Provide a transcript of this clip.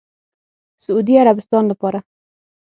سعودي عربستان لپاره